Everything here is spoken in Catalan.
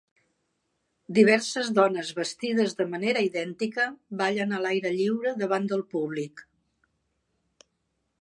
Diverses dones vestides de manera idèntica ballen a l'aire lliure davant del públic.